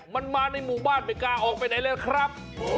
มันมาในหมู่บ้านไม่กล้าออกไปไหนเลยครับ